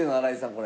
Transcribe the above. これ。